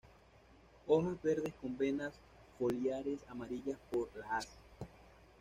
Hojas verdes con venas foliares amarillas por la haz.